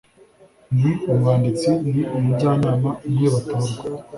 n Umwanditsi n Umujyanama umwe Batorwa